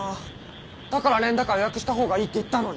だからレンタカー予約した方がいいって言ったのに。